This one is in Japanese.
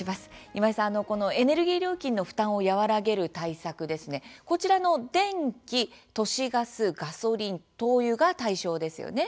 今井さん、このエネルギー料金の負担を和らげる対策ですねこちらの電気、都市ガスガソリン、灯油が対象ですよね。